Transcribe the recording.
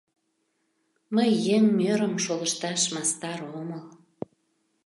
— Мый еҥ мӧрым шолышташ мастар омыл.